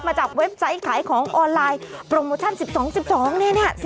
จากเว็บไซต์ขายของออนไลน์โปรโมชั่น๑๒๑๒นี่